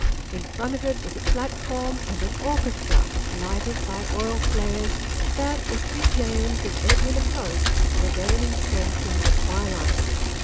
In front of it was a platform, and an orchestra, lighted by oil flares that, as Big James and Edwin approached, were gaining strength in the twilight.